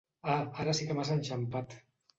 Ah, ara sí que m'has enxampat!